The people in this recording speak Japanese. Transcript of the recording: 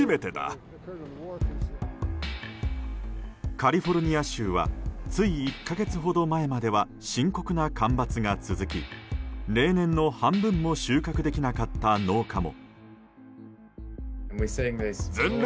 カリフォルニア州はつい１か月ほど前までは深刻な干ばつが続き例年の半分も収穫できなかった農家も。